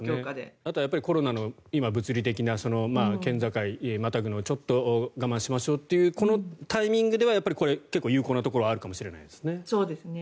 あと今、コロナの物理的な県境をまたぐのを我慢しましょうというこのタイミングでは結構有効なところはあるかもしれないですね。